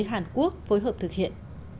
hàn quốc phối hợp thực hiện